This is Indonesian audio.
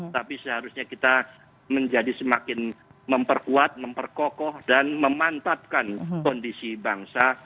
tapi seharusnya kita menjadi semakin memperkuat memperkokoh dan memantapkan kondisi bangsa